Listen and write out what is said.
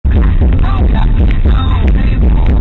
กำลังห่อจะคงไม่ให้ผม